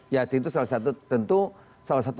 ya itu salah satu tentu salah satu